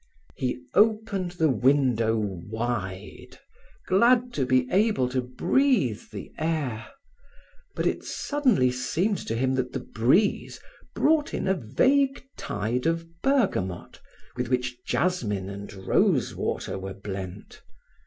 He opened the window wide, glad to be able to breath the air. But it suddenly seemed to him that the breeze brought in a vague tide of bergamot with which jasmine and rose water were blent.